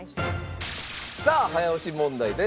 さあ早押し問題です。